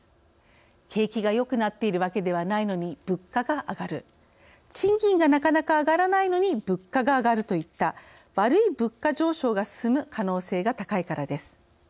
「景気が良くなっているわけではないのに物価が上がる」「賃金がなかなか上がらないのに物価が上がる」といった「悪い物価上昇」が進む可能性が高いからです。